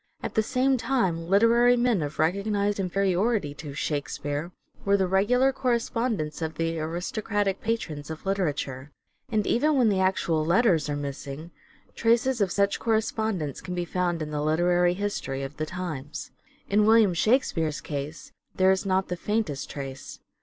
At the same time literary men of recognized inferiority to " Shakespeare " were the regular corre spondents of the aristocratic patrons of literature; and even when the actual letters are missing traces of such correspondence can be found in the literary history of the times. In William Shakspere's case there is not the faintest trace.